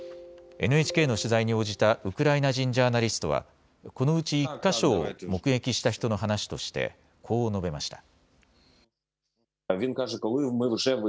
ＮＨＫの取材に応じたウクライナ人ジャーナリストはこのうち１か所を目撃した人の話として、こう述べました。